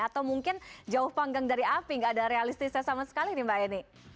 atau mungkin jauh panggang dari api nggak ada realistisnya sama sekali nih mbak eni